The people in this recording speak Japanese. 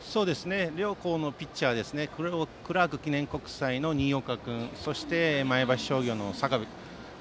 両校のピッチャーですねクラーク記念国際の新岡君そして、前橋商業の坂部君。